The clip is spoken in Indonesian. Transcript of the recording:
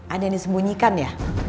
ada yang disembunyikan ya